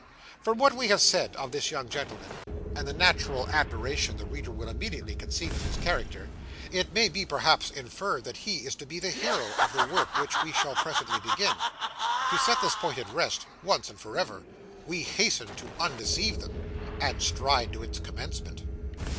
From what we have said of this young gentleman, and the natural admiration the reader will immediately conceive of his character, it may perhaps be inferred that he is to be the hero of the work which we shall presently begin. To set this point at rest, for once and for ever, we hasten to undeceive them, and stride to its commencement.